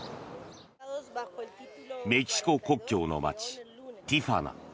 メキシコ国境の街ティファナ。